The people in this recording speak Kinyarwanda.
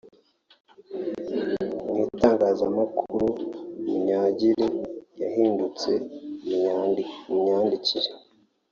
Mu itangazamakuru munyangire yahindutse munyandikire